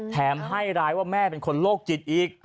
แถมให้ร้ายว่าแม่เป็นคนโรคจิตอีก